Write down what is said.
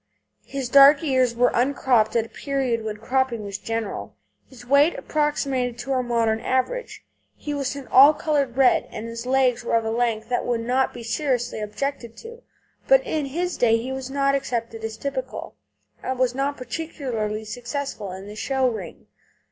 His dark ears were uncropped at a period when cropping was general; his weight approximated to our modern average. He was an all coloured red, and his legs were of a length that would not now be seriously objected to. But in his day he was not accepted as typical, and he was not particularly successful in the show ring.